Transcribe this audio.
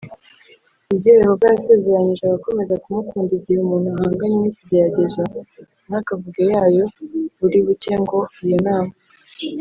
Iryo yehova yasezeranyije abakomeza kumukunda igihe umuntu ahanganye n ikigeragezo ntakavuge yayo buri buke ngo iyo nama